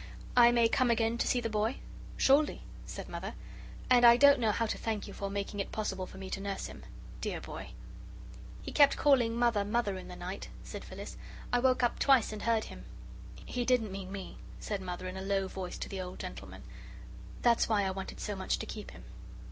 I may come again to see the boy?" "Surely," said Mother, "and I don't know how to thank you for making it possible for me to nurse him. Dear boy!" "He kept calling Mother, Mother, in the night," said Phyllis. "I woke up twice and heard him." "He didn't mean me," said Mother, in a low voice to the old gentleman; "that's why I wanted so much to keep him."